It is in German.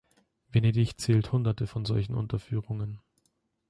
Venedig zählt Hunderte von solchen Unterführungen.